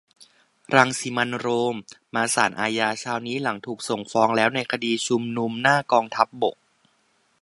รังสิมันต์ โรม มาศาลอาญาเช้านี้หลังถูกส่งฟ้องแล้วในคดีชุมนุมหน้ากองทัพบก